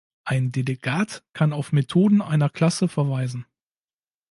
Ein "Delegat" kann auf Methoden einer Klasse verweisen.